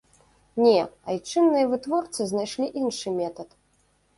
Не, айчынныя вытворцы знайшлі іншы метад.